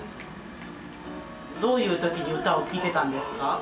どういう時に歌を聴いてたんですか？